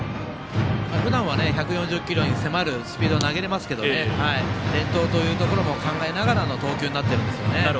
ふだんは１４０キロに迫るスピードを投げれますすけど連投というところも考えながらの投球になっていますね。